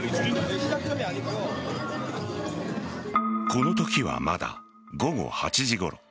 このときは、まだ午後８時ごろ。